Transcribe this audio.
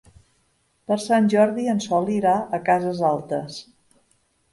Per Sant Jordi en Sol irà a Cases Altes.